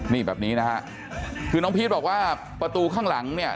นี่แบบนี้นะฮะคือน้องพีชบอกว่าประตูข้างหลังเนี่ย